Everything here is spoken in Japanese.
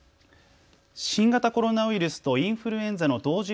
新型コロナウイルスとインフルエンザの同時